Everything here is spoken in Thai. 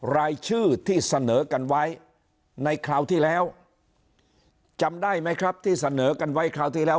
รายชื่อที่เสนอกันไว้ในคราวที่แล้วจำได้ไหมครับที่เสนอกันไว้คราวที่แล้ว